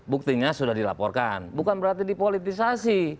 buktinya sudah dilaporkan bukan berarti dipolitisasi